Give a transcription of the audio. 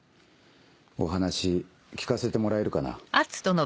お話聞かせてもらえるかな？